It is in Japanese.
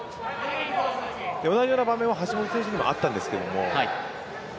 同じような場面は橋本選手にもあったんですが